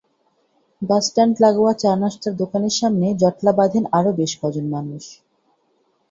Bus stand লাগোয়া চা-নাশতার দোকানের সামনে জটলা বাঁধেন আরও বেশ কজন মানুষ।